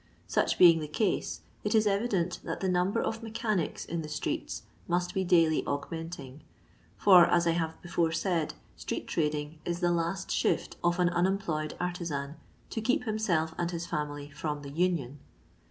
Such being the case, it is evident that the number of mechanics in the streets must be daily augmenting, for, as I have before said, street trading is the last shift of an un employed artizan to keep himxelf and his family from the " Union."